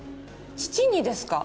父にですか？